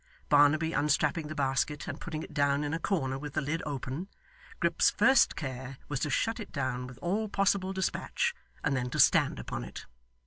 Barnaby unstrapping the basket and putting it down in a corner with the lid open, Grip's first care was to shut it down with all possible despatch, and then to stand upon it.